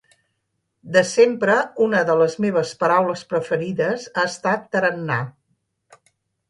De sempre, una de les meves paraules preferides ha estat tarannà.